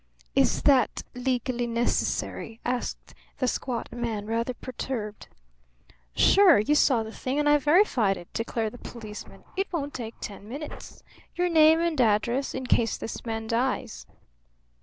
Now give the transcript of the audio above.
"Is that legally necessary?" asked the squat man, rather perturbed. "Sure. You saw the thing and I verified it," declared the policeman. "It won't take ten minutes. Your name and address, in case this man dies."